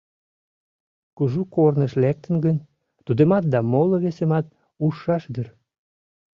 Кужу корныш лектын гын, тудымат да моло-весымат ужшаш дыр.